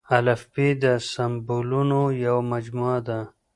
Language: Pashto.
الفبې د سمبولونو يوه مجموعه ده.